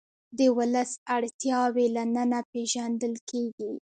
د ولس اړتیاوې له ننه پېژندل کېږي.